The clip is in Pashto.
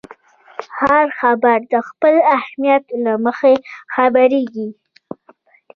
هر خبر د خپل اهمیت له مخې خپرېږي.